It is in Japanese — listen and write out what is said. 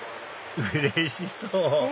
うれしそう！